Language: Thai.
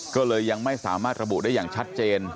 ก็เลยยังไม่สามารถระบุได้อย่างชัดเจน